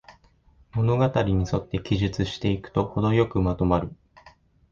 物語にそって記述していくと、ほどよくまとまる